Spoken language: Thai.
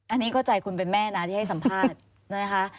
อันนี้ก็ใจคนเป็นแม่นะที่ให้สัมภาษณ์นะคะ